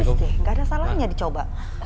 gak ada salahnya dicoba